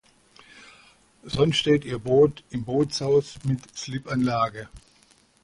Sonst steht ihr Boot im Bootshaus mit Slipanlage.